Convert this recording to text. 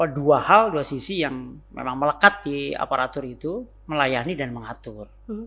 jadi ada dua hal dua sisi yang memang melekat di aparatur itu melayani dan mengatur